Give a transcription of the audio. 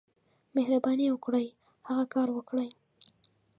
مهرباني وکړئ، هغه کار وکړئ.